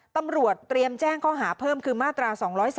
ตำรวจเตรียมแจ้งข้อหาเพิ่มคือมาตรา๒๔